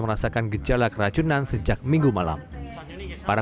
merasakan gejala keracunan sejak minggu malam para